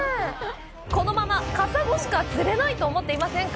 このままカサゴしか釣れないと思ってませんか？